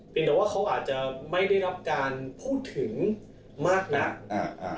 เป็นแต่ว่าเขาอาจจะไม่ได้รับการพูดถึงมากนักอ่าอ่า